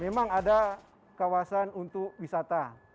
memang ada kawasan untuk wisata